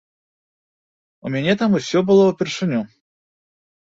У мяне там усё было ўпершыню.